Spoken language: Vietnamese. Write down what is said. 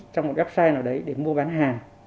trong một website nào đấy để mua bán hàng